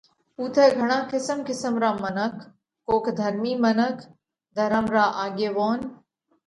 اُوٿئہ گھڻا قِسم قِسم را منک، ڪوڪ ڌرمِي منک، ڌرم را آڳيوونَ،